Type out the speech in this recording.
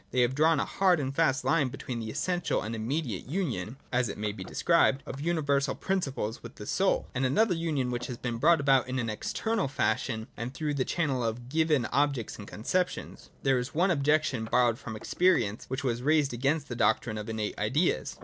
They have drawn a hard and fast line between 6;.] INNATE IDEAS. 131 the essential and immediate union (as it may be de scribed) of certain universal principles with the soul, and another union which has to be brought about in an external fashion, and through the channel oi given objects and conceptions. There is one objection, borrowed from experience, which was raised against the doctrine of Innate ideas.